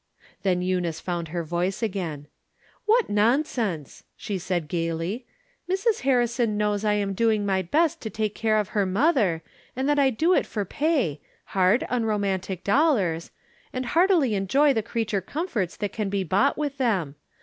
Then Eunice found her voice again. " What nonsense !" she said, gaily. " Mrs. Harrison knows I'm doing my best to take care of her mother, and that I do it for pay — hard, unromantic dollars — and heartily enjoy the crea ture comforts that can be bought with them.